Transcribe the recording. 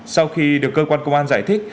sau khi được cơ quan công an giải thích